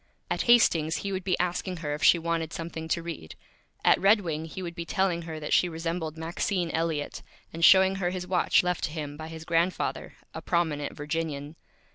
At Hastings he would be asking her if she wanted Something to Read. At Red Wing he would be telling her that she resembled Maxine Elliott, and showing her his Watch, left to him by his Grandfather, a Prominent Virginian.